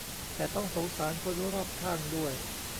แต่ต้องสงสารคนรอบข้างด้วย